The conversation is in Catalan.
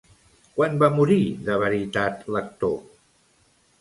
Quan va morir de veritat l'actor?